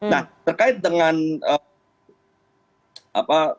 nah terkait dengan apa